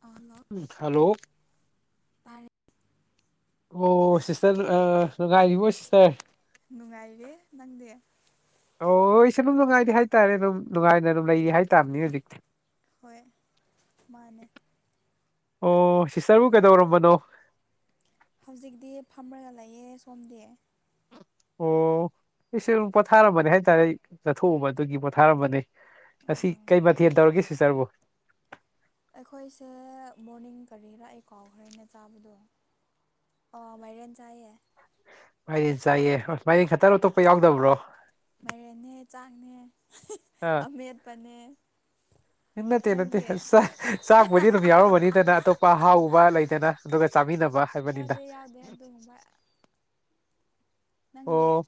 hello hello ꯇꯥꯔꯦ ꯑꯣ sister ꯑꯥ ꯅꯨꯡꯉꯥꯏꯔꯤꯕꯣ ꯁꯤꯁꯇ꯭ꯔ ꯅꯨꯡꯉꯥꯏꯔꯤ ꯅꯪꯗꯤ ꯑꯣ ꯑꯩꯁꯨꯦ ꯑꯗꯨꯝ ꯅꯨꯡꯉꯥꯏꯔꯤ ꯍꯥꯏꯇꯥꯔꯦ ꯑꯗꯨꯝ ꯅꯨꯡꯉꯥꯏꯅ ꯑꯗꯨꯝ ꯂꯩꯔꯤ ꯍꯥꯏꯇꯥꯥꯝꯅꯤ ꯍꯧꯖꯤꯛꯇꯤ ꯍꯣꯏ ꯃꯥꯅꯦ ꯑꯣ ꯁꯤꯁꯇ꯭ꯔꯕꯨ ꯀꯩꯗꯧꯔꯝꯕꯅꯣ ꯍꯧꯖꯤꯛꯇꯤ ꯐꯝꯔꯒ ꯂꯩꯌꯦ ꯁꯣꯝꯗꯤ ꯑꯣ ꯑꯩꯁꯨ ꯄꯣꯊꯥꯔꯝꯕꯅꯤ ꯍꯥꯏꯇꯥꯔꯦ ꯆꯠꯊꯣꯛꯎꯕ ꯑꯗꯨꯒꯤ ꯄꯣꯊꯥꯔꯝꯕꯅꯤ ꯉꯁꯤ ꯀꯩ ꯃꯊꯦꯜ ꯇꯧꯔꯒꯦ ꯁꯤꯁꯇ꯭ꯔꯕꯨ ꯑꯩꯈꯣꯏꯁꯦ ꯃꯣꯔꯅꯤꯡ ꯀꯔꯤꯔ ꯑꯩ ꯀꯥꯎꯈ꯭ꯔꯦ ꯑꯩꯅ ꯆꯥꯕꯗꯣ ꯑꯣ ꯃꯥꯏꯔꯦꯟ ꯆꯥꯏꯌꯦ ꯃꯥꯏꯔꯦꯟ ꯆꯥꯏꯌꯦ ꯍꯣ ꯃꯥꯏꯔꯦꯟ ꯈꯛꯇꯔꯣ ꯑꯇꯣꯞꯄ ꯌꯥꯎꯗꯕ꯭ꯔꯣ ꯃꯥꯏꯔꯦꯟꯅꯦ ꯆꯥꯛꯅꯦ ꯍꯦ ꯍꯦ ꯑꯥ ꯑꯃꯦꯠꯄꯅꯦ ꯅꯠꯇꯦ ꯅꯠꯇꯦ ꯅꯪꯗꯤ ꯆꯥꯛꯄꯨꯗꯤ ꯑꯗꯨꯝ ꯌꯥꯎꯔꯝꯃꯅꯤꯗꯅ ꯑꯇꯣꯞꯄ ꯑꯍꯥꯎꯕ ꯂꯩꯗꯅ ꯑꯗꯨꯒ ꯆꯥꯃꯤꯟꯅꯕ ꯌꯥꯎꯗꯦ ꯍꯥꯏꯕꯅꯤꯗ ꯌꯥꯎꯗꯦ ꯑꯗꯨꯒꯨꯝꯕ [inaudible] ꯅꯪꯗꯤ ꯑꯣ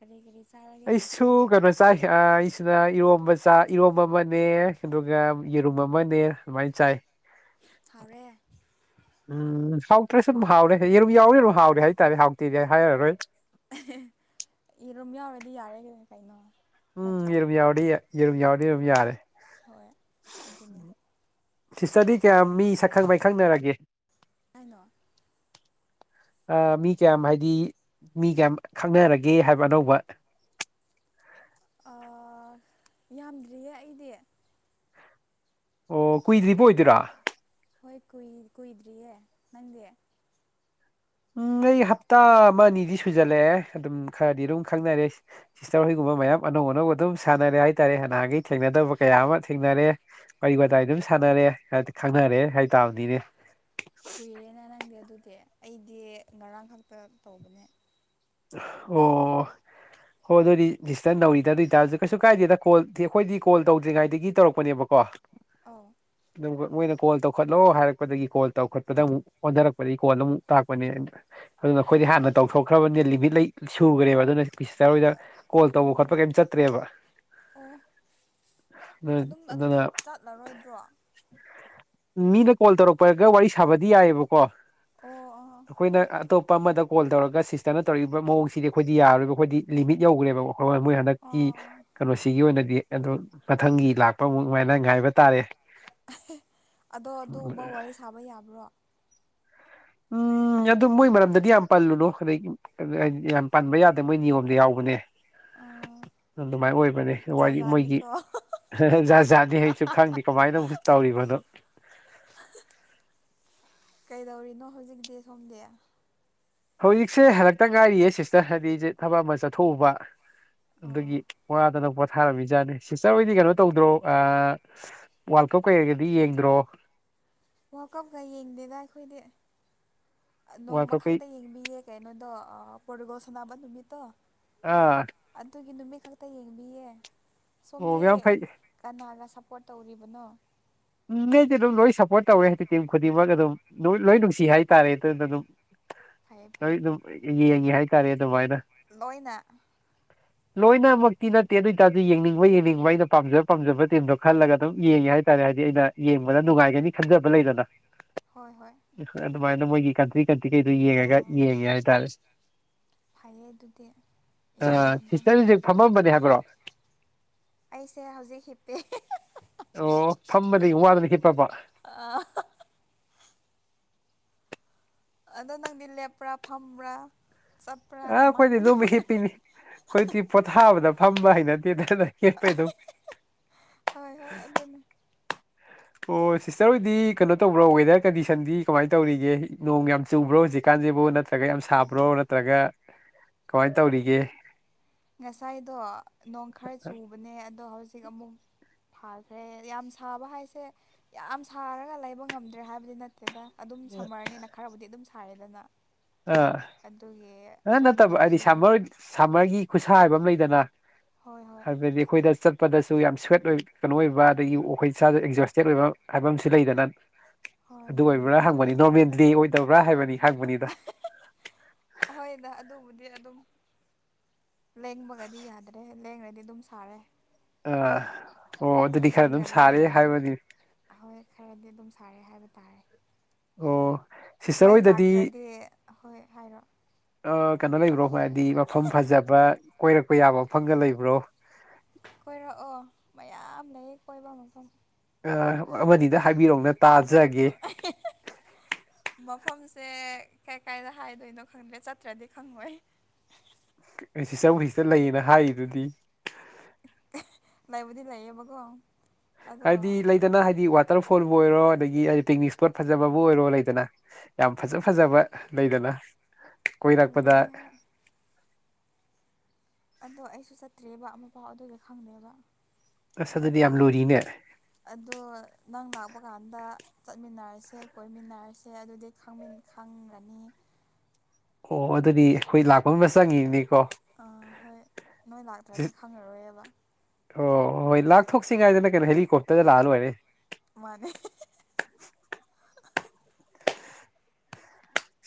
ꯀꯔꯤ ꯀꯔꯤ ꯆꯥꯔꯒꯦ ꯑꯩꯁꯨ ꯉꯁꯤꯒꯤ ꯀꯩꯅꯣ ꯆꯥꯏ ꯑꯥ ꯇꯨꯅ ꯏꯔꯣꯝꯕ ꯆꯥꯏ ꯏꯔꯣꯝꯕ ꯑꯃꯅꯦ ꯑꯗꯨꯒ ꯌꯦꯔꯨꯝ ꯑꯃꯅꯦ ꯑꯗꯨꯃꯥꯏꯅ ꯆꯥꯏ ꯍꯥꯎꯔꯦ ꯎꯝ ꯍꯥꯎꯇ꯭ꯔꯁꯨ ꯑꯗꯨꯝ ꯍꯥꯎꯔꯦ ꯌꯦꯔꯨꯝ ꯌꯥꯎꯕꯅꯤꯅ ꯑꯗꯨꯝ ꯍꯥꯎꯔꯦ ꯍꯥꯏꯇꯥꯔꯦ ꯍꯥꯎꯇꯦꯗꯤ ꯍꯥꯏꯔꯔꯣꯏ ꯍꯦ ꯍꯦ ꯌꯦꯔꯨꯝ ꯌꯥꯎꯔꯗꯤ ꯌꯥꯔꯦ ꯀꯩꯅꯣ ꯎꯝ ꯅꯠꯇ꯭ꯔꯥ ꯌꯦꯔꯨꯝ ꯌꯥꯎꯔꯗꯤ ꯌꯥ ꯌꯦꯔꯨꯝ ꯌꯥꯎꯔꯗꯤ ꯑꯗꯨꯝ ꯌꯥꯔꯦ ꯍꯣꯏ ꯑꯗꯨꯅꯦ ꯁꯤꯁꯇ꯭ꯔꯗꯤ ꯀꯌꯥꯝ ꯃꯤ ꯁꯛꯈꯪ ꯃꯥꯏꯈꯪꯅꯔꯒꯦ ꯑꯥꯏꯅꯣ ꯑꯥ ꯃꯤ ꯀꯌꯥꯝ ꯍꯥꯏꯗꯤ ꯃꯤ ꯀꯌꯥꯝ ꯈꯪꯅꯔꯒꯦ ꯍꯥꯏꯕ ꯑꯅꯧꯕ [inaudible] ꯑꯥ ꯌꯥꯝꯗ꯭ꯔꯤꯌꯦ ꯑꯩꯗꯤ ꯑꯣ ꯀꯨꯏꯗ꯭ꯔꯤꯕ ꯑꯣꯏꯗꯣꯏꯔꯥ ꯍꯣꯏ ꯀꯨꯏ ꯀꯨꯏꯗ꯭ꯔꯤꯌꯦ ꯅꯪꯗꯤ ꯎꯝ ꯑꯩ ꯍꯞꯇꯥ ꯑꯃ ꯑꯅꯤꯗꯤ ꯁꯨꯖꯜꯂꯛꯑꯦ ꯑꯗꯨꯝ ꯈꯔꯗꯤ ꯑꯗꯨꯝ ꯈꯪꯅꯔꯦ ꯁꯤꯁꯇꯔ ꯍꯣꯏꯒꯨꯝꯕ ꯃꯌꯥꯝ ꯑꯅꯧ ꯑꯅꯧꯕ ꯑꯗꯨꯝ ꯁꯥꯟꯅꯔꯦ ꯍꯥꯏ ꯇꯔꯦ ꯅꯍꯟꯉꯩ ꯊꯦꯡꯅꯗꯕ ꯀꯌꯥ ꯑꯃ ꯊꯦꯡꯅꯔꯦ ꯋꯥꯔꯤ ꯋꯥꯇꯏ ꯑꯗꯨ ꯁꯥꯟꯅꯔꯦ ꯈꯪꯅꯔꯦ ꯍꯥꯏꯇꯕꯅꯤꯅꯦ ꯀꯨꯏꯔꯦꯅꯦ ꯅꯪꯗꯤ ꯑꯗꯨꯗꯤ ꯑꯩꯗꯤ ꯉꯔꯥꯡ ꯈꯛꯇ ꯇꯧꯕꯅꯦ ꯑꯣ ꯍꯣꯏ ꯑꯗꯨꯗꯤ ꯗꯤꯁꯇꯔ ꯅꯧꯔꯤꯗ ꯑꯗꯨ ꯑꯣꯏꯇꯥꯔꯁꯨ ꯀꯩꯁꯨ ꯀꯥꯏꯗꯦꯗ ꯀꯣꯜꯗꯤ ꯑꯩꯈꯣꯏꯗꯤ ꯀꯣꯜ ꯇꯧꯗ꯭ꯔꯤꯉꯥꯏꯗꯒꯤ ꯇꯧꯔꯛꯄꯅꯦꯕꯀꯣ ꯑꯥꯎ ꯃꯣꯏꯅ ꯀꯣꯜ ꯇꯧꯈꯠꯂꯣ ꯍꯥꯏꯔꯛꯄꯗꯒꯤ ꯀꯣꯜ ꯇꯧꯈꯠꯄꯗ ꯑꯃꯨꯛ ꯑꯣꯟꯗꯔꯛꯄꯗꯒꯤ ꯀꯣꯜ ꯑꯃꯨꯛ ꯇꯥꯛꯄꯅꯦ ꯑꯗꯨꯅ ꯑꯩꯈꯣꯏꯗꯤ ꯍꯥꯟꯅ ꯇꯧꯊꯣꯛꯈ꯭ꯔꯕꯅꯤꯅ ꯂꯤꯃꯤꯠ ꯂꯩ ꯁꯨꯈ꯭ꯔꯦꯕ ꯑꯗꯨꯅ ꯢꯁꯇꯔ ꯍꯣꯏꯗ ꯀꯣꯜ ꯇꯧꯕ ꯑꯣ ꯈꯣꯠꯄ ꯀꯩꯝ ꯆꯠꯇ꯭ꯔꯦꯕ ꯑꯣ ꯑꯗꯨ ꯑꯗꯨꯝ ꯑꯗꯨꯅ ꯑꯗꯨꯗꯤ ꯆꯠꯂꯔꯣꯏꯗ꯭ꯔꯣ ꯃꯤꯅ ꯀꯣꯜ ꯇꯧꯔꯛꯄꯒ ꯋꯥꯔꯤ ꯁꯥꯕꯗꯤ ꯌꯥꯏꯌꯦꯕꯀꯣ ꯑꯣ ꯑꯣ ꯑꯩꯈꯣꯏꯅ ꯑꯇꯣꯞꯄ ꯑꯃꯗ ꯀꯣꯜ ꯇꯧꯔꯒ ꯁꯤꯁꯇꯔ ꯇꯧꯔꯤꯕ ꯃꯑꯣꯡꯁꯤꯗꯤ ꯑꯩꯈꯣꯏꯗꯤ ꯌꯥꯔꯣꯏꯌꯦꯕ ꯑꯩꯈꯣꯏꯗꯤ ꯂꯤꯃꯤꯠ ꯌꯧꯈ꯭ꯔꯦꯕ ꯃꯣꯏ ꯍꯟꯗꯛꯀꯤ ꯑꯣ ꯀꯩꯅꯣꯁꯤꯒꯤ ꯑꯣꯏꯅꯗꯤ ꯑꯗꯨ ꯃꯊꯪꯒꯤ ꯂꯥꯛꯄ ꯑꯃꯨꯛ ꯃꯥꯏꯅ ꯉꯥꯏꯕ ꯇꯥꯔꯦ [inaudible] ꯑꯗꯣ ꯑꯗꯨꯒꯨꯝꯕ ꯋꯥꯔꯤ ꯁꯥꯕ ꯌꯥꯕ꯭ꯔꯣ ꯎꯝ ꯎꯝ ꯑꯗꯨ ꯃꯣꯏ ꯃꯔꯝꯗꯗꯤ ꯌꯝ ꯄꯜꯂꯨꯅꯨ ꯑꯗꯩ ꯌꯝ ꯄꯟꯕ ꯌꯗꯦ ꯃꯣꯏ ꯅꯤꯌꯣꯝꯗ ꯌꯥꯎꯕꯅꯦ ꯑꯥ ꯑꯗꯨꯃꯥꯏꯅ ꯑꯣꯏꯕꯅꯦ ꯋꯥꯔꯤ ꯃꯣꯏꯒꯤ ꯖꯥꯠ ꯖꯥꯠꯅꯤ ꯑꯩꯁꯨ ꯈꯪꯗꯦ ꯀꯃꯥꯏꯅꯕꯨ ꯇꯧꯔꯤꯕꯅꯣ ꯀꯩꯗꯧꯔꯤꯅꯣ ꯍꯧꯖꯤꯛꯇꯤ ꯁꯣꯝꯗꯤ ꯍꯧꯖꯤꯛꯁꯦ ꯍꯜꯂꯛꯇ ꯉꯥꯏꯔꯤꯌꯦ ꯁꯤꯁꯇꯔ ꯍꯥꯏꯗꯤꯖꯦ ꯊꯕꯛ ꯑꯃ ꯆꯠꯊꯣꯛꯎꯕ ꯑꯣ ꯑꯗꯨꯒꯤ ꯋꯥꯗꯅ ꯄꯣꯠ ꯊꯥꯔꯝꯃꯤꯖꯥꯠꯅꯦ ꯁꯤꯁꯇꯔ ꯍꯣꯏꯗꯤ ꯀꯩꯅꯣ ꯇꯧꯗ꯭ꯔꯣ ꯑꯥ ꯋꯥꯔꯜ ꯀꯞ ꯀꯩꯀꯩꯒꯗꯤ ꯌꯦꯡꯗ꯭ꯔꯣ ꯋꯥꯜꯀꯞꯀ ꯌꯦꯡꯗꯦꯗ ꯑꯩꯈꯣꯏꯗꯤ ꯋꯥꯔꯜ ꯀꯞꯀꯩ ꯅꯣꯡꯃꯈꯛꯇ ꯌꯦꯡꯕꯤꯌꯦ ꯀꯩꯅꯣꯗꯣ ꯄꯣꯔꯇꯨꯒꯣꯜ ꯁꯥꯟꯅꯕ ꯅꯨꯃꯤꯠꯇꯣ ꯑꯥ ꯑꯗꯨꯒꯤ ꯅꯨꯃꯤꯠ ꯈꯛꯇ ꯌꯦꯡꯕꯤꯌꯦ ꯑꯣ ꯁꯣꯝꯗꯤ ꯌꯥꯝ ꯐꯩ ꯀꯅꯥꯒ ꯁꯞꯄꯣꯔꯠ ꯇꯧꯔꯤꯕꯅꯣ ꯎ ꯃꯤꯗꯤ ꯑꯗꯨꯝ ꯂꯣꯏ ꯁꯞꯄꯣꯔꯠ ꯇꯧꯋꯦ ꯇꯤꯝ ꯈꯨꯗꯤꯡꯃꯛ ꯑꯗꯨꯝ ꯂꯣꯏ ꯅꯨꯡꯁꯤ ꯍꯥꯏꯇꯥꯔꯦ ꯑꯗꯨꯅ ꯑꯗꯨꯝ ꯐꯩꯌꯦ ꯂꯣꯏ ꯐꯩꯌꯦ ꯑꯗꯨꯝ ꯌꯦꯡꯉꯦ ꯍꯏꯇꯥꯔꯦ ꯑꯗꯨꯃꯥꯏꯅ ꯂꯣꯏꯅ ꯂꯣꯏꯅꯃꯛꯇꯤ ꯅꯠꯇꯦ ꯑꯗꯨꯏꯇꯥꯔꯗꯤ ꯌꯦꯡꯅꯤꯡꯕ ꯌꯦꯡꯅꯤꯡꯕ ꯑꯩꯅ ꯄꯥꯝꯖꯕ ꯄꯥꯝꯖꯕ ꯇꯤꯝꯗꯣ ꯈꯜꯂꯒ ꯑꯗꯨꯝ ꯌꯦꯡꯉꯦ ꯍꯥꯏꯇꯥꯔꯦ ꯗꯤ ꯑꯩꯅ ꯌꯦꯡꯕꯗ ꯅꯨꯡꯉꯥꯏꯒꯅꯤ ꯈꯟꯖꯕ ꯂꯩꯗꯅ ꯍꯣꯏ ꯍꯣꯏ ꯑꯗꯨꯃꯥꯏꯅ ꯃꯣꯏꯒꯤ ꯀꯟꯇ꯭ꯔꯤ ꯀꯟꯇ꯭ꯔꯤꯈꯩꯗꯨ ꯌꯦꯡꯉꯒ ꯑꯣ ꯌꯦꯡꯉꯦ ꯍꯏꯇꯥꯔꯦ ꯐꯩꯌꯦ ꯑꯗꯨꯗꯤ ꯑ ꯌꯦꯡꯉꯣ ꯑꯗꯨꯝ ꯁꯤꯁꯇꯔꯖꯤ ꯐꯝꯃꯝꯕꯅꯤ ꯍꯥꯏꯕ꯭ꯔꯣ ꯑꯩꯁꯦ ꯍꯧꯖꯤꯛ ꯍꯤꯞꯄꯦ ꯑꯣ ꯐꯝꯕꯗꯒꯤ ꯋꯥꯗꯅ ꯍꯤꯞꯄꯕ ꯑꯥ [inaudible] ꯑꯗꯣ ꯅꯪꯗꯤ ꯂꯦꯞꯄ꯭ꯔ ꯐꯝꯕ꯭ꯔ ꯑ ꯑꯩꯈꯣꯏꯗꯤ ꯑꯗꯨꯝ ꯍꯤꯞꯄꯤꯅꯤ ꯑꯩꯈꯣꯏꯗꯤ ꯄꯣꯊꯥꯕꯗ ꯐꯝꯕ ꯍꯩꯅꯗꯦ ꯍꯤꯞꯇꯦꯗ ꯍꯤꯞꯄꯦ ꯑꯗꯨꯝ [inaudible] ꯍꯣꯏ ꯍꯣꯏ ꯑꯗꯨꯅꯦ ꯑꯣ ꯁꯤꯁꯇꯔ ꯍꯣꯏꯗꯤ ꯀꯩꯅꯣ ꯇꯧꯕ꯭ꯔꯣ ꯋꯦꯗꯔ ꯀꯟꯗꯤꯁꯟꯗꯤ ꯀꯃꯥꯏꯅ ꯇꯧꯔꯤꯒꯦ ꯅꯣꯡ ꯌꯥꯝ ꯆꯨꯕ꯭ꯔꯣ ꯍꯧꯖꯤꯛꯀꯥꯟ ꯥꯁꯖꯤꯕꯨ ꯅꯠꯇ꯭ꯔꯒ ꯌꯝ ꯁꯥꯕ꯭ꯔꯣ ꯅꯠꯇ꯭ꯔꯒ ꯀꯃꯥꯏꯅ ꯇꯧꯔꯤꯒꯦ ꯉꯁꯥꯏꯗꯣ ꯅꯣꯡ ꯈꯔ ꯆꯨꯕꯅꯦ ꯑꯗꯣ ꯍꯧꯖꯤꯛ ꯑꯃꯨꯛ ꯐꯥꯜꯂꯦ ꯌꯥꯝ ꯁꯥꯕ ꯍꯥꯏꯁꯦ ꯌꯥꯝ ꯁꯥꯔꯒ ꯂꯩꯕ ꯉꯝꯗ꯭ꯔꯦ ꯍꯥꯏꯕꯗꯤ ꯅꯠꯇꯦ ꯗꯦꯗꯥ ꯑꯗꯨꯝ ꯁꯝꯃꯔꯅꯦꯅ ꯈꯔꯕꯨꯗꯤ ꯑꯗꯨꯝ ꯁꯥꯥꯔꯦꯗꯅ ꯑꯥ ꯅ ꯅꯠꯇꯕ ꯍꯥꯏꯗꯤ ꯅꯣꯡꯁꯨ ꯁꯝꯃꯔ ꯁꯝꯃꯔꯒꯤ ꯈꯨꯁꯥ ꯍꯥꯏꯕ ꯑꯃ ꯂꯩꯗꯅ ꯍꯣꯏ ꯍꯣꯏ ꯍꯥꯏꯕꯗꯤ ꯈꯣꯏꯗ ꯆꯠ ꯄꯗꯁꯨ ꯌꯥꯝꯅ ꯁ꯭ꯋꯤꯠ ꯑꯣꯏ ꯀꯅꯣ ꯑꯣꯏꯕ ꯑꯗꯒꯤ ꯑꯩꯈꯣꯏ ꯏꯁꯥꯖꯨ ꯑꯦꯛꯖꯣꯁꯇꯦꯠ ꯑꯣꯏꯕ ꯍꯥꯏꯕ ꯑꯃꯖꯨ ꯂꯩꯗꯅ ꯍꯣꯏ ꯑꯗꯨ ꯃꯥꯅꯦ ꯑꯣꯏꯕ꯭ꯔ ꯑꯗꯨꯗꯤ ꯍꯪꯕꯅꯤ ꯇꯧꯋꯦꯗ ꯅꯣꯔꯃꯦꯜꯗꯦ ꯑꯣꯏꯗꯕ꯭ꯔ ꯍꯥꯏꯕꯅꯤ ꯍꯪꯕꯅꯤꯗ ꯍꯣꯏ ꯗꯥ ꯑꯗꯨꯕꯨꯗꯤ ꯑꯗꯨꯝ ꯂꯦꯡꯕꯒꯗꯤ ꯌꯥꯗ꯭ꯔꯦ ꯂꯦꯡꯔꯗꯤ ꯑꯗꯨꯝ ꯁꯥꯔꯦ ꯑꯥ ꯑꯣ ꯑꯗꯨꯗꯤ ꯈꯔ ꯑꯗꯨꯝ ꯈꯤꯇꯪꯒ ꯁꯥꯔꯦ ꯂꯦꯡꯔꯗꯤ ꯍꯥꯏꯕꯒꯤ ꯍꯣꯏ ꯈꯔꯗꯤ ꯑꯗꯨꯝ ꯁꯥꯔꯦ ꯍꯥꯏꯕ ꯇꯥꯔꯦ ꯑꯣ ꯁꯤꯁꯇꯔ ꯃꯩ ꯍꯣꯏꯗꯗꯤ ꯂꯥꯛꯇ꯭ꯔꯗꯤ ꯍꯣꯏ ꯍꯥꯏꯔꯣ ꯀꯅꯣ ꯂꯩꯕ꯭ꯔꯣ ꯍꯥꯏꯗꯤ ꯃꯐꯝ ꯐꯖꯕ ꯀꯣꯏꯔꯛꯄ ꯌꯥꯕ ꯃꯐꯝꯒ ꯂꯩꯕ꯭ꯔꯣ ꯀꯣꯏꯔꯛꯑꯣ ꯃꯌꯥꯝ ꯂꯩ ꯀꯣꯏꯕ ꯃꯐꯝ ꯑ ꯑꯃꯅꯤꯗ ꯍꯥꯏꯕꯤꯔꯛꯎꯅꯦ ꯇꯥꯖꯒꯦ ꯃꯐꯝꯁꯦ ꯀꯥꯏ ꯀꯥꯏꯗ ꯍꯥꯏꯗꯣꯏꯅꯣ ꯈꯪꯗ꯭ꯔꯦ ꯆꯠꯇ꯭ꯔꯗꯤ ꯈꯪꯉꯣꯏ ꯑꯩ ꯁꯤꯁꯇꯔ ꯍꯧꯖꯤꯛꯇ ꯂꯩꯌꯦꯅ ꯍꯥꯏꯒꯤꯗꯨꯗꯤ ꯂꯩꯕꯨꯗꯤ ꯂꯩꯌꯦꯕꯀꯣ ꯑꯗꯣ ꯍꯥꯏꯗꯤ ꯂꯩꯗꯅ ꯍꯥꯏꯗꯤ ꯋꯥꯠ ꯋꯥꯇꯔ ꯐꯣꯜꯕꯨ ꯑꯣꯏꯔꯣ ꯑꯗꯒꯤ ꯍꯥꯏꯗꯤ ꯄꯤꯛꯅꯤꯛ ꯏꯁꯄꯣꯠ ꯐꯖꯕꯕꯨ ꯑꯣꯏꯔꯣ ꯂꯩꯗꯅ ꯌꯥꯝ ꯐꯖ ꯐꯖꯕ ꯂꯩꯗꯅꯥ ꯂꯩ ꯍꯥꯏ ꯑꯗꯣ ꯑꯩꯁꯨ ꯆꯠꯇ꯭ꯔꯤꯌꯦꯕ ꯑꯃꯨꯛꯐꯥꯎ ꯑꯗꯨꯒꯤ ꯈꯪꯗꯦꯕ ꯑꯁ ꯑꯗꯨꯗꯤ ꯌꯥꯝ ꯂꯨꯔꯤꯅꯦ ꯑꯗꯣ ꯅꯪ ꯂꯥꯛꯄ ꯀꯥꯟꯗ ꯆꯠꯃꯤꯟꯅꯔꯁꯦ ꯀꯣꯏꯃꯤꯟꯅꯔꯁꯦ ꯑꯗꯨꯗꯤ ꯈꯪꯃꯤꯟ ꯈꯪꯔꯅꯤ ꯑꯣ ꯑꯗꯨꯗꯤ ꯑꯩꯈꯣꯏ ꯂꯥꯛꯄꯃ ꯆꯪꯉꯤꯅꯦ ꯑꯥ ꯍꯣꯏ ꯅꯣꯏ ꯁꯤ- ꯂꯥꯛꯇ꯭ꯔꯗꯤ ꯈꯪꯉꯔꯣꯏꯕ ꯑꯣ ꯍꯣꯏ ꯂꯥꯛꯊꯣꯛꯁꯤꯉꯥꯏꯗꯅ ꯀꯩꯅꯣ ꯍꯦꯂꯤꯀꯣꯞꯇꯔꯗ ꯂꯥꯛꯑ ꯂꯣꯏꯔꯦ ꯃꯥꯟꯅꯤ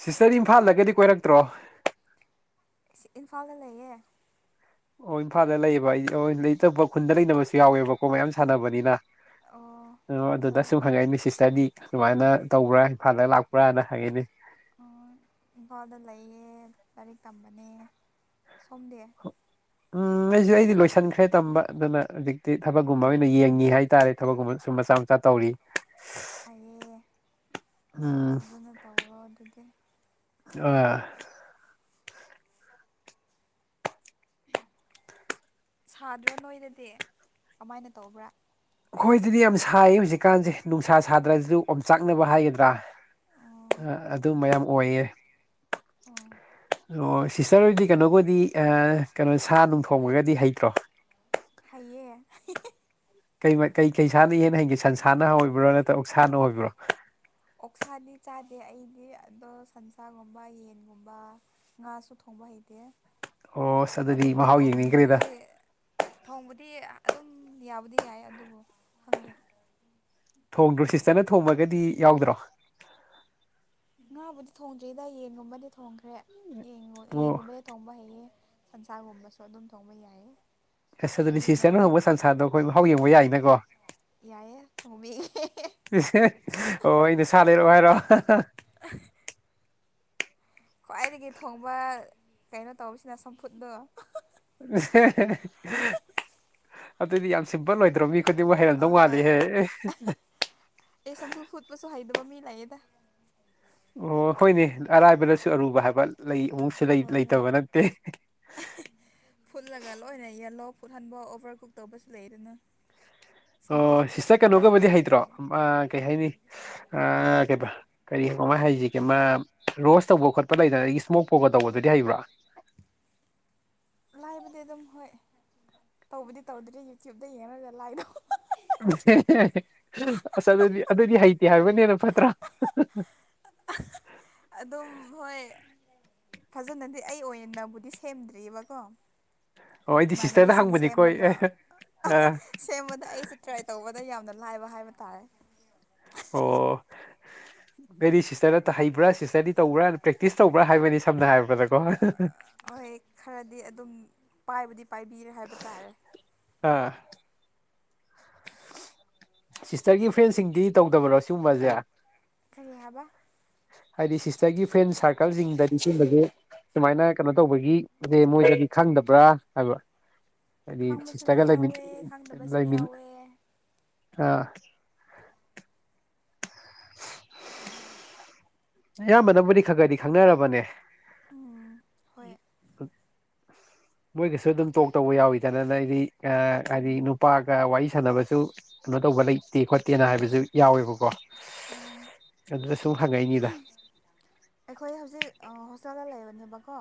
ꯁꯤꯁꯇꯔ ꯏꯝꯐꯥꯜꯗꯒꯗꯤ ꯀꯣꯏꯔꯛꯇ꯭ꯔꯣ ꯁꯤ ꯏꯝꯐꯥꯜꯗ ꯂꯩꯌꯦ ꯑꯣ ꯏꯝꯐꯥꯜꯗ ꯂꯩꯌꯦꯕ ꯑꯩꯗꯤ ꯑꯣ ꯂꯩꯇꯕ ꯈꯨꯟꯗ ꯂꯩꯅꯕꯁꯨ ꯌꯥꯎꯋꯦꯕꯀꯣ ꯃꯌꯥꯝ ꯁꯥꯟꯅꯕꯅꯤꯅ ꯑꯣ ꯑꯗꯨꯗ ꯁꯨꯝ ꯍꯪꯉꯛꯏꯅꯦ ꯁꯤꯁꯇꯔꯗꯤ ꯁꯨꯃꯥꯏꯅ ꯇꯧꯕ꯭ꯔꯥ ꯏꯝꯐꯥꯜꯗ ꯂꯥꯛꯄ꯭ꯔꯥꯅ ꯍꯪꯉꯩꯅꯤ ꯑ ꯏꯝꯐꯥꯜꯗ ꯂꯩꯌꯦ ꯂꯥꯏꯔꯤꯛ ꯇꯝꯕꯅꯦ ꯁꯣꯝꯗꯤ ꯎꯝ ꯑꯩꯖꯨ ꯑꯩꯗꯤ ꯂꯣꯏꯁꯤꯟꯈ꯭ꯔꯦ ꯇꯝꯕ ꯑꯗꯨꯅ ꯍꯧꯖꯤꯛꯇꯤ ꯊꯕꯛꯀꯨꯝꯕ ꯑꯣ ꯑꯣꯏꯅ ꯌꯦꯡꯉꯤ ꯍꯥꯏꯇꯥꯔꯦ ꯊꯕꯛꯀꯨꯝꯕ ꯁꯨꯝ ꯃꯆꯥ ꯃꯆꯥ ꯇꯧꯔꯤ ꯐꯩꯌꯦ ꯎꯝ ꯐꯖꯅ ꯇꯧꯔꯣ ꯑꯗꯨꯗꯤ ꯑꯥ ꯁꯥꯗ꯭ꯔꯣ ꯅꯣꯏꯗꯗꯤ ꯀꯃꯥꯏꯅ ꯇꯧꯕ꯭ꯔꯥ ꯑꯩꯈꯣꯏꯗꯗꯤ ꯌꯥꯝ ꯁꯥꯏꯌꯦ ꯍꯧꯖꯤꯛꯀꯥꯟꯖꯦ ꯅꯨꯡꯁꯥ ꯁꯥꯗ꯭ꯔꯖꯨ ꯑꯣꯝꯆꯥꯛꯅꯕ ꯍꯥꯏꯒꯗ꯭ꯔꯥ ꯑꯣ ꯑ ꯑꯗꯨ ꯃꯌꯥꯝ ꯑꯣꯏꯌꯦ ꯑꯣ ꯑꯣ ꯁꯤꯁꯇꯔ ꯍꯣꯏꯗꯤ ꯀꯩꯅꯣꯕꯨꯗꯤ ꯀꯩꯅꯣꯑꯥꯡ ꯁꯥ ꯅꯨꯡ ꯊꯣꯡꯕꯒꯗꯤ ꯍꯩꯇ꯭ꯔꯣ ꯍꯩꯌꯦ ꯀꯔꯤ ꯃ ꯀꯩ ꯀꯩꯁꯥꯅ ꯍꯦꯟꯅ ꯍꯩꯒꯦ ꯁꯟꯁꯥꯅ ꯍꯣꯏꯕ꯭ꯔꯣ ꯅꯠꯇ꯭ꯔ ꯑꯣꯛꯁꯥꯅ ꯑꯣꯏꯕ꯭ꯔꯣ ꯑꯣꯛꯁꯥꯗꯤ ꯆꯥꯗꯦ ꯑꯩꯗꯤ ꯑꯗꯣ ꯁꯟꯁꯥꯒꯨꯝꯕ ꯌꯦꯟꯒꯨꯝꯕ ꯉꯥꯁꯨ ꯊꯣꯡ ꯕ ꯍꯩꯇꯦ ꯑꯣꯁ ꯑꯗꯨꯗꯤ ꯑꯗꯨꯝ ꯃꯍꯥꯎ ꯌꯦꯡꯅꯤꯡꯒ꯭ꯔꯦꯗ ꯐ꯭ꯔꯤ ꯑꯗꯨꯝ ꯌꯥꯕꯨꯗꯤ ꯌꯥꯏ ꯑꯗꯨꯕꯨ ꯈꯪꯗꯦ ꯊꯣꯡꯗ꯭ꯔꯣ ꯁꯤꯁꯇꯔꯅ ꯊꯣꯡꯕꯒꯗꯤ ꯌꯥꯎꯗ꯭ꯔꯣ ꯉꯥꯕꯨꯗꯤ ꯊꯣꯡꯗ꯭ꯔꯤꯗ ꯌꯦꯟꯒꯨꯝꯕꯗꯤ ꯊꯣꯡꯈ꯭ꯔꯦ ꯑꯣ ꯌꯦꯟꯒꯨꯝꯕꯗꯤ ꯊꯣꯡꯕ ꯍꯩꯌꯦ ꯁꯟꯁꯥꯔꯒꯨꯝꯕꯁꯨ ꯑꯗꯨꯝ ꯊꯣꯡꯕ ꯌꯥꯏ ꯑꯁ ꯑꯗꯨꯗꯤ ꯁꯤꯁꯇꯔꯅ ꯍꯣꯡꯧꯕ ꯁꯟꯁꯥꯗꯣ ꯑꯈꯣꯏ ꯃꯍꯥꯎ ꯌꯦꯡꯕ ꯌꯥꯏꯅꯀꯣ ꯌꯥꯏꯌꯦ ꯊꯣꯡꯕꯤꯒꯦ ꯑꯣ ꯑꯩꯅ ꯁꯥ ꯂꯩꯔꯛ ꯑꯣ ꯍꯥꯏꯔꯣ ꯑ ꯍ ꯈ꯭ꯋꯥꯏꯗꯒꯤ ꯊꯣꯡꯕ ꯀꯩꯅꯣ ꯇꯧꯁꯤꯔꯥ ꯆꯝꯐꯨꯠꯇꯣ ꯍ ꯍ ꯍ ꯑꯗꯨꯗꯤ ꯌꯥꯝ ꯁꯤꯝꯄꯜ ꯑꯣꯢꯗ꯭ꯔꯣ ꯃꯤ ꯍꯥꯢꯗꯤ ꯃꯣꯢ ꯍꯩꯔꯝꯗꯧ ꯑꯍꯣꯏ ꯃꯥꯜꯂꯤꯍꯦ ꯂꯩꯩꯌꯦꯗ ꯑꯣ ꯍꯣꯏꯅꯦ ꯑꯔꯥꯏꯕꯗꯁꯨ ꯑꯔꯨꯕ ꯍꯥꯢꯕ ꯂꯩ ꯑꯃꯨꯛꯁꯨ ꯂꯩ ꯍꯣꯏ ꯍꯣꯏ ꯂꯩꯇꯕ ꯅꯠꯇꯦ ꯑꯍꯥꯟꯕ ꯑꯣꯕꯔ ꯀꯨꯛ ꯇꯧꯕꯁꯨ ꯂꯩꯗꯥꯅ ꯑꯣ ꯁꯤꯁꯇꯔ ꯀꯩꯅꯣꯒꯕꯨꯗꯤ ꯍꯩꯇ꯭ꯔꯣ ꯀꯩ ꯍꯥꯏꯅꯤ ꯑ ꯀꯩꯕ ꯀꯔꯤ ꯀꯥꯃꯥꯏ ꯍꯁꯤꯒꯦ ꯃꯥ ꯔꯣꯁ ꯇꯧꯕ ꯈꯣꯠꯄ ꯂꯩꯗꯅ ꯑꯗꯒꯤ ꯏꯁꯃꯣꯛ ꯄꯧꯒ [inaudible] ꯂꯥꯏꯕꯗꯤ ꯑꯗꯨꯝ ꯍꯣꯏ ꯇꯧꯕꯗꯤ ꯇꯧꯗ꯭ꯔ꯭ꯤ ꯌꯨꯇ꯭ꯌꯨꯕꯇ ꯌꯦꯡꯉꯒꯥ ꯂꯥꯏꯗꯧ ꯍꯣ ꯍꯣ ꯍꯦ ꯍꯦ ꯍꯦ ꯑꯁ ꯑꯗꯨꯗꯤ ꯑꯗꯨꯗꯤ ꯍꯩꯇꯦ ꯍꯥꯏꯕꯅꯦꯅ ꯍꯥ ꯍꯥ ꯍꯥ ꯍꯥ ꯑꯗꯨꯝ ꯍꯣꯏ ꯐꯖꯅꯗꯤ ꯑꯩ ꯑꯣꯏꯅꯕꯨꯗꯤ ꯁꯦꯝꯗ꯭ꯔꯤꯕꯀꯣ ꯑꯣ ꯑꯩꯗꯤ ꯁꯤꯁꯇꯔꯗ ꯏꯃꯥꯟꯅꯕꯤꯁꯤꯡ ꯍꯪꯕꯅꯤꯀꯣ ꯁꯦꯝꯕꯗꯣ ꯑꯦ ꯑꯍꯥ ꯍꯥ ꯑ ꯁꯦꯝꯕꯗ ꯑꯩꯁꯨꯦ ꯇ꯭ꯔꯥꯏ ꯇꯧꯕꯗ ꯌꯥꯝꯅ ꯂꯥꯏꯕ ꯍꯥꯏꯕ ꯇꯥꯔꯦ ꯑꯣ ꯑꯩꯗꯤ ꯁꯤꯁꯇꯔꯗ ꯍꯩꯕ꯭ꯔꯥ ꯁꯤꯁꯇꯔꯗꯤ ꯇꯧꯕ꯭ꯔꯥꯅ ꯄ꯭ꯔꯦꯛꯇꯤꯁ ꯇꯧꯕ꯭ꯔꯥ ꯍꯥꯏꯕꯅꯤ ꯁꯝꯅ ꯍꯥꯏꯔꯕꯗꯀꯣ ꯍꯥ ꯍꯥ ꯍꯥ ꯍꯣꯏ ꯈꯔꯗꯤ ꯑꯗꯨꯝ ꯄꯥꯏꯕꯨꯗꯤ ꯄꯥꯏꯕꯤꯔꯦ ꯍꯥꯏꯕ ꯇꯥꯔꯦ ꯑꯥ ꯁꯤꯁꯇꯔꯒꯤ ꯐ꯭ꯔꯦꯟꯁꯤꯡꯗꯤ ꯇꯧꯗꯕ꯭ꯔꯣ ꯁꯤꯒꯨꯝꯕꯁꯦ ꯀꯔꯤ ꯍꯥꯏꯕ ꯍꯥꯏꯗꯤ ꯁꯤꯁꯇꯔꯒꯤ ꯐ꯭ꯔꯦꯟ ꯁꯥꯔꯀꯜꯁꯤꯡꯗꯗꯤ ꯁꯤꯕꯁꯦ ꯁꯨꯃꯥꯏꯅ ꯀꯩꯅꯣ ꯇꯧꯕꯒꯤꯁꯦ ꯃꯣꯏꯗꯗꯤ ꯈꯪꯗꯕ꯭ꯔꯥ ꯍꯥꯏꯕ ꯍꯥꯏꯗꯤ ꯈꯪꯕꯁꯨ ꯁꯤꯁꯇꯔ ꯂꯩꯃꯤ ꯌꯥꯎꯋꯦ ꯈꯪꯗꯕꯁꯨ ꯂꯩꯃꯤ ꯌꯥꯎꯋꯦ ꯑꯥ ꯑꯌꯥꯝꯕꯅꯕꯨꯗꯤ ꯈ ꯈꯔꯗꯤ ꯈꯪꯅꯔꯕꯅꯦ ꯎꯝ ꯍꯣꯏ [inaudible] ꯃꯣꯏꯒꯁꯨ ꯑꯗꯨꯝ ꯇꯣꯛ ꯇꯧꯕ ꯌꯥꯎꯋꯤꯗꯅꯅ ꯅꯩꯗꯤ ꯍꯥꯏꯗꯤ ꯎꯝ ꯅꯨꯄꯥꯒ ꯋꯥꯔꯤ ꯁꯥꯟꯅꯕꯁꯨ ꯇꯧꯕ ꯂꯩꯇꯦ ꯈꯣꯠꯇꯦꯅ ꯍꯥꯏꯕꯁꯨ ꯌꯥꯎꯋꯦꯕꯀꯣ ꯑꯣ ꯑꯗꯨꯗ ꯁꯨꯝ ꯍꯪꯉꯛꯏꯅꯤꯗ ꯑꯈꯣꯏ ꯍꯧꯖꯤꯛ ꯍꯣꯁꯇꯦꯜꯗ ꯂꯩꯕꯅꯦꯕꯀꯣ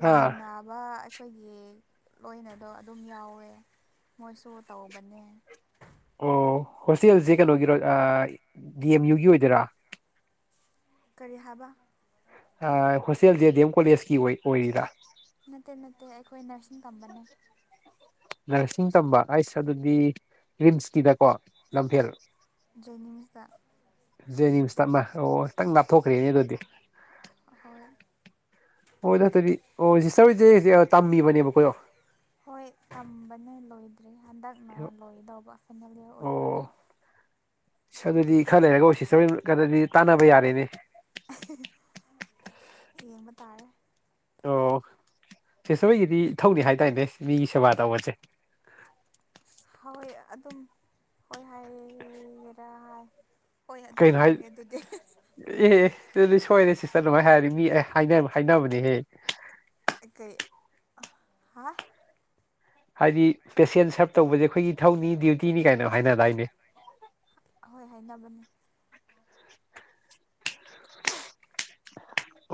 ꯑꯥ ꯂꯩꯃꯤꯟꯅꯕ ꯑꯈꯣꯏꯒꯤ ꯂꯣꯏꯅꯗꯣ ꯑꯗꯨꯝ ꯌꯥꯎꯋꯦ ꯃꯣꯏꯁꯨ ꯇꯧꯕꯅꯦ ꯑꯣ ꯍꯣꯁꯇꯦꯜꯁꯦ ꯀꯩꯅꯣꯒꯤꯔꯣ ꯑꯥ ꯗꯤ ꯑꯦꯝ ꯌꯨꯒꯤ ꯑꯣꯏꯗꯣꯏꯔꯥ ꯀꯔꯤ ꯍꯥꯏꯕ ꯑꯥ ꯍꯣꯁꯇꯦꯜ ꯖꯦ ꯗꯤ ꯑꯦꯝ ꯀꯣꯂꯦꯖꯀꯤ ꯑꯣꯏ ꯑꯣꯏꯔꯤꯔ ꯅꯠꯇꯦ ꯅꯠꯇꯦ ꯑꯩꯈꯣꯏ ꯅꯔꯁꯤꯡ ꯇꯝꯕꯅꯦ ꯅꯔꯁꯤꯡ ꯇꯝꯕ ꯑꯩꯁ ꯑꯗꯨꯗꯤ ꯔꯤꯝꯁꯀꯤꯗꯀꯣ ꯂꯝꯐꯦꯜ ꯖꯦꯅꯤꯝꯁꯇ ꯖꯦꯅꯤꯝꯁꯇ ꯑꯃ ꯑꯣ ꯈꯤꯇꯪ ꯂꯥꯞꯊꯣꯛꯈ꯭ꯔꯦꯅꯦ ꯑꯗꯨꯗꯤ ꯍꯣꯏ ꯑꯣ ꯅꯇꯗꯤ ꯑꯣ ꯁꯤꯁꯇꯔꯍꯣꯏꯁꯦ ꯖꯤꯛ ꯇꯝꯃꯤꯕꯅꯦꯕ ꯀꯣꯍꯣ ꯍꯣꯏ ꯇꯝꯕꯅꯦ ꯂꯣꯏꯗꯔ꯭ꯤ ꯍꯟꯗꯛꯅ ꯂꯣꯏꯗꯧꯕ ꯐꯦꯃꯤꯂꯤ ꯑꯣꯏꯕꯥ ꯑꯣ ꯑꯗꯨꯗꯤ ꯈꯔ ꯂꯩꯔꯒ ꯑꯣ ꯁꯤꯁꯇꯔ ꯍꯣꯏꯗꯤ ꯇꯥꯟꯅꯕ ꯌꯥꯔꯦꯅꯦ ꯍꯦ ꯍꯦ ꯌꯦꯡꯕ ꯇꯥꯔꯦ ꯑꯣ ꯁꯤꯁꯠꯔꯍꯣꯏꯒꯤꯗꯤ ꯏꯊꯧꯅꯦ ꯍꯥꯏꯗꯥꯏꯅꯦ ꯃꯤꯒꯤ ꯁꯦꯕꯥ ꯇꯧꯕꯁꯦ ꯍꯣꯏ ꯑꯗꯨꯝ ꯍꯣꯏ ꯍꯥꯏꯔ ꯍꯥꯏ ꯍꯣꯏ ꯑꯗꯨꯝ ꯀꯩꯅꯣ ꯍꯥꯏ ꯍꯥꯏꯔꯒꯦ ꯑꯗꯨꯗꯤ ꯑꯦ ꯍꯦ ꯑꯗꯨꯗꯤ ꯁꯣꯏꯔꯦ ꯁꯤꯁꯇꯔ ꯑꯗꯨꯃꯥꯏ ꯍꯥꯏꯔꯤ ꯃꯤꯑꯦ ꯍꯥꯏꯅꯕꯅꯦꯍꯦ ꯑꯩꯀꯩ ꯍꯥ ꯍꯥꯏꯗꯤ ꯄꯦꯁꯦꯟ ꯁꯔꯚ ꯇꯧꯕꯁꯦ ꯑꯩꯈꯣꯏꯒꯤ ꯏꯊꯧꯅꯤ ꯗ꯭ꯌꯨꯇꯤꯅꯤ ꯀꯥꯏꯅ ꯍꯥꯏꯅꯗꯥꯏꯅꯦ ꯑꯍꯣꯏ ꯍꯥꯏꯅꯕꯅꯦ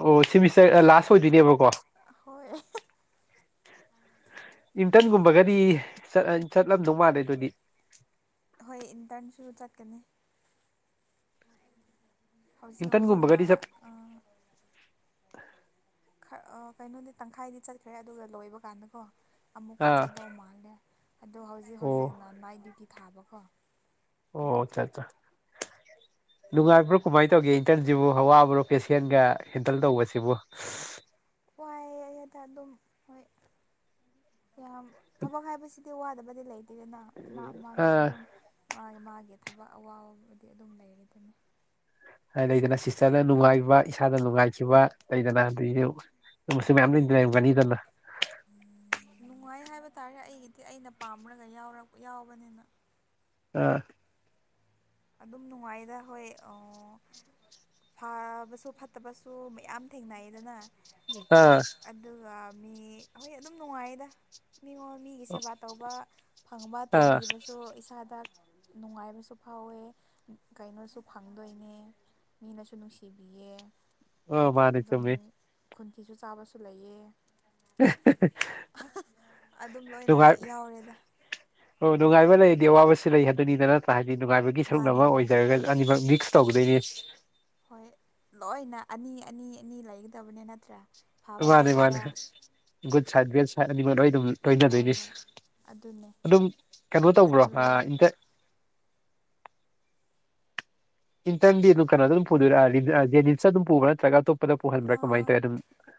ꯑꯣ ꯁꯤ ꯃꯤꯁꯇꯔ ꯂꯥꯁ ꯑꯣꯏꯗꯣꯏꯅꯦꯕꯀꯣ ꯍꯣꯏ ꯏꯝꯇꯟ ꯒꯨꯝꯕꯒꯗꯤ ꯆꯠꯂꯝꯗꯧ ꯃꯥꯜꯂꯦ ꯑꯗꯨꯗꯤ ꯍꯣꯏ ꯏꯟꯇꯔꯟꯁꯨ ꯆꯠꯀꯅꯤ ꯍꯧꯖꯤꯛ ꯍꯧꯖꯤꯛꯅ ꯏꯟꯇꯔꯟꯒꯨꯝꯕꯒꯗꯤ ꯆꯠ ꯑꯥ [unintelligible] ꯑꯥ ꯀꯩꯅꯣꯗꯤ ꯇꯪꯈꯥꯏꯗꯤ ꯆꯠꯈ꯭ꯔꯦ ꯑꯗꯨꯒ ꯂꯣꯏꯕ ꯀꯥꯟꯗꯀꯣ ꯑꯃꯨꯛꯀ ꯑꯥ ꯆꯠꯗꯧ ꯃꯥꯜꯂꯦ ꯑꯗꯣ ꯍꯧꯖꯤꯛ ꯑꯣ ꯍꯧꯖꯤꯛꯅ ꯅꯥꯏꯠ ꯗ꯭ꯌꯨꯇꯤ ꯊꯥꯕꯀꯣ ꯑꯣ ꯑꯗꯨꯒꯤ ꯆꯥꯆꯥ [inaudible] ꯅꯨꯡꯉꯥꯏꯕ꯭ꯔꯣ ꯀꯃꯥꯏꯅ ꯇꯧꯒꯦ ꯏꯟꯇꯔꯟꯁꯤꯕꯨ ꯋꯥꯕ꯭ꯔꯣ ꯄꯦꯁꯦꯟꯒ ꯍꯦꯟꯗꯜ ꯇꯧꯕꯁꯤꯕꯨ ꯋꯥꯏ ꯍꯦꯗ ꯑꯗꯨꯝ ꯍꯣꯏ ꯌꯥꯝ ꯊꯕꯛ ꯍꯥꯏꯕꯁꯤ ꯗꯤ ꯋꯥꯗꯕꯗꯤ ꯂꯩꯇꯦꯗꯅ ꯃꯥ ꯃꯥꯒꯤ ꯑꯥ ꯑꯗꯨꯝ ꯃꯥꯒꯤ ꯃꯥꯒꯤ ꯊꯕꯛ ꯑꯋꯥꯕꯕꯨꯗꯤ ꯑꯗꯨꯝ ꯂꯩꯌꯦꯗꯅ ꯍꯥꯏ ꯂꯩꯗꯅ ꯁꯤꯁꯇꯔꯗ ꯅꯨꯡꯉꯥꯏꯕ ꯏꯁꯥꯗ ꯅꯨꯡꯉꯥꯏꯈꯤꯕ ꯂꯩꯗꯅ ꯑꯗꯩꯁꯨ ꯁꯨꯝ ꯌꯥꯝ ꯂꯩ ꯂꯩꯔꯝꯒꯅꯤꯗꯅ ꯅꯨꯡꯉꯥꯏ ꯍꯥꯏꯕ ꯇꯥꯔꯦ ꯑꯩꯒꯤꯗꯤ ꯑꯩꯅ ꯄꯥꯝꯔꯒ ꯌꯥꯎꯔ ꯌꯥꯎꯕꯅꯤꯅ ꯑꯥ ꯑꯗꯨꯝ ꯅꯨꯡꯉꯥꯏꯗ ꯍꯣꯏ ꯑꯣ ꯐꯥꯕꯁꯨ ꯐꯠꯇꯕꯁꯨ ꯃꯌꯥꯝ ꯊꯦꯡꯅꯩꯗꯅ ꯑꯥ ꯑꯗꯨꯒ ꯃꯤ ꯍꯣꯏ ꯑꯗꯨꯝ ꯅꯨꯡꯉꯥꯏꯌꯦꯗ ꯃꯤꯉꯣꯟ ꯃꯤꯒꯤ ꯁꯦꯕꯥ ꯇꯧꯕ ꯐꯪꯕ ꯑꯥ ꯇꯧꯕꯤꯕꯁꯨ ꯏꯁꯥꯗ ꯅꯨꯡꯉꯥꯏꯕꯁꯨ ꯐꯥꯎꯋꯦ ꯀꯩꯅꯣꯁꯨ ꯐꯪꯗꯣꯏꯅꯦ ꯃꯤꯅꯁꯨ ꯅꯨꯡꯁꯤꯕꯤꯌꯦ ꯑꯥ ꯃꯥꯅꯤ ꯆꯨꯝꯃꯤ ꯈꯣꯟꯊꯤꯁꯨ ꯆꯥꯕꯁꯨ ꯂꯩꯌꯦ [unintelligible] ꯑꯗꯨꯝ ꯂꯣꯏꯅ ꯌꯥꯎꯔꯦꯗ ꯅꯨꯡꯉꯥꯏꯕ ꯂꯩꯔꯗꯤ ꯑꯋꯥꯕꯁꯨ ꯂꯩ ꯍꯥꯏꯗꯨꯅꯤꯗ ꯅꯠꯇ꯭ꯔ ꯍꯥꯏꯗꯤ ꯅꯨꯡꯉꯥꯏꯕꯒꯤ ꯁꯔꯨꯛ ꯃꯥꯅꯦ ꯑꯃ ꯃꯥꯅꯦ ꯑꯣꯏꯖꯔꯒ ꯑꯅꯤꯃꯛ ꯃꯤꯛꯁ ꯇꯧꯗꯩꯌꯤ ꯍꯣꯏ ꯂꯣꯏꯅ ꯑꯅꯤ ꯑꯅꯤ ꯑꯅꯤ ꯂꯩꯒꯗꯕꯅꯦ ꯅꯠꯇ꯭ꯔꯥ ꯇꯨ ꯐꯕ ꯃꯥꯅꯦ ꯃꯥꯅꯦ ꯐꯠꯇꯕ ꯒꯨꯠ ꯁꯥꯏꯠ ꯕꯦꯠ ꯁꯥꯢꯠ ꯑꯅꯤ ꯃꯛ ꯂꯣꯢ ꯑꯗꯨꯝ ꯂꯣꯏꯇ ꯍꯣꯏ ꯂꯩꯔꯤ ꯍꯣꯏ ꯑꯗꯨꯅꯦ ꯑꯗꯨꯝ ꯀꯩꯅꯣ ꯇꯧꯕ꯭ꯔꯣ ꯑꯗꯨ ꯏꯟꯇ ꯏꯟꯇꯔꯦꯟꯗꯤ ꯑꯗꯨꯝ ꯀꯅꯣꯗ ꯑꯗꯨꯝ ꯄꯨꯗꯣꯢꯔ ꯑ ꯖꯦꯅꯤꯝꯁꯇ ꯑꯗꯨꯝ ꯄꯨꯕ꯭ꯔ ꯅꯠꯇ꯭ꯔꯒ ꯑꯇꯣꯞ ꯗ ꯄꯨꯍꯟꯕ꯭ꯔ ꯀꯃꯥꯏ ꯑꯥ ꯇꯧꯋꯦ ꯑꯗꯨꯝ